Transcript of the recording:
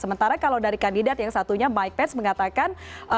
sementara kalau dari kandidat yang satunya mike pence mengatakan